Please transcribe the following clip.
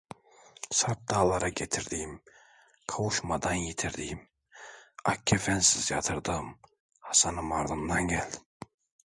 Sarp dağlara getirdiğim, Kavuşmadan yitirdiğim, ak kefensiz yatırdığım Hasanım ardından geldim.